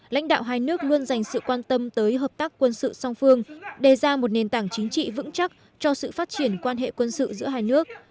lãnh đạo hai nước luôn dành sự quan tâm tới hợp tác quân sự song phương đề ra một nền tảng chính trị vững chắc cho sự phát triển quan hệ quân sự giữa hai nước